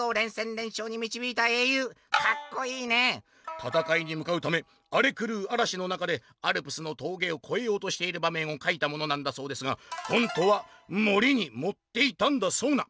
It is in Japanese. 「たたかいにむかうためあれくるうあらしの中でアルプスの峠を越えようとしている場面を描いたものなんだそうですが本当は盛りに盛っていたんだそうな！」。